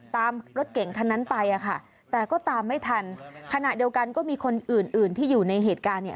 รถเก่งคันนั้นไปอ่ะค่ะแต่ก็ตามไม่ทันขณะเดียวกันก็มีคนอื่นอื่นที่อยู่ในเหตุการณ์เนี่ย